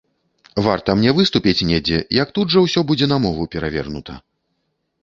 Варта мне выступіць недзе, як тут жа ўсё будзе на мову перавернута.